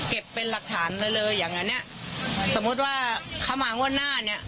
เป็นหลักฐานอะไรเลยเลยอย่างอันเนี้ยสมมุติว่าเขามางวดหน้าเนี้ย